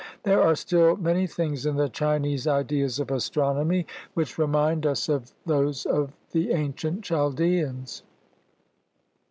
There are still many things in the Chinese ideas of astronomy which remind us of those of the ancient Chaldaeans.